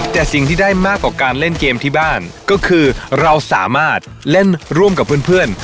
แต่สิ่งที่ได้มากกว่าการเล่นเกมที่บ้านก็คือเราสามารถเล่นร่วมกับเพื่อน